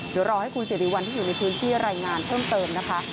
เดี๋ยวรอให้คุณสิริวัลที่อยู่ในพื้นที่รายงานเพิ่มเติมนะคะ